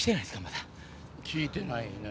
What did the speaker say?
まだ。来てないね。